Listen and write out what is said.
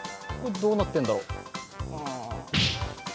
どうなってんだろう。